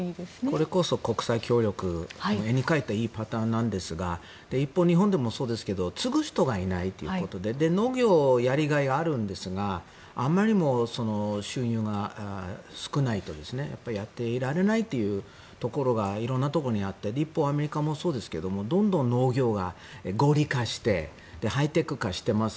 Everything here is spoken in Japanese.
これこそ国際協力絵に描いたようないいパターンなんですが一方、日本でもそうですけど継ぐ人がいないということで農業、やりがいはあるんですがあまりにも収入が少ないとやっていられないというところが色々なところにあって一方、アメリカもそうですがどんどん農業が合理化してハイテク化しています。